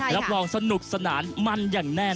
รับรองสนุกสนานมันอย่างแน่